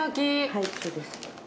はい、そうです。